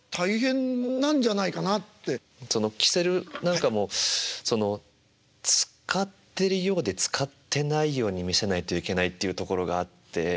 きせるなんかも使ってるようで使ってないように見せないといけないっていうところがあって。